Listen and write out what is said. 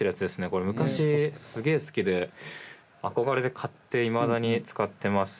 これ昔すげえ好きで憧れで買っていまだに使ってます。